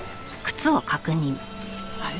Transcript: あれ？